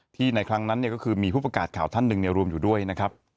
ในครั้งนั้นก็คือมีผู้ประกาศข่าวท่านหนึ่งรวมอยู่ด้วยนะครับ